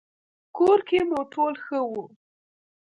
کور کې مو ټول ښه وو؟